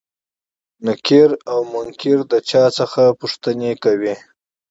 نکير او منکر له چا څخه پوښتنې کوي؟